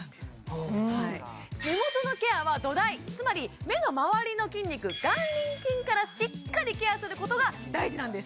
ほう目元のケアは土台つまり目の周りの筋肉眼輪筋からしっかりケアすることが大事なんです